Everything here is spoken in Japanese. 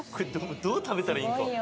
どう食べたらいいんか。